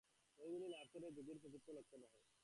ঐগুলি লাভ করা যোগীর প্রকৃত লক্ষ্য নহে।